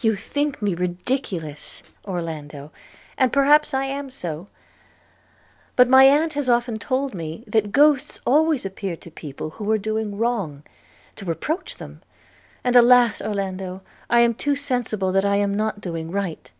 'You think me ridiculous, Orlando, and perhaps I am so; but my aunt has often told me, that ghosts always appeared to people who were doing wrong, to reproach them: and, alas! Orlando, I am too sensible that I am not doing right.'